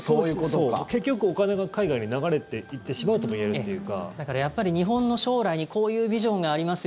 結局、お金が海外に流れていってしまうともやっぱり日本の将来にこういうビジョンがあります